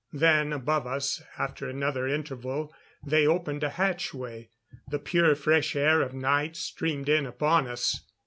Then above us after another interval, they opened a hatchway. The pure fresh air of night streamed in upon us.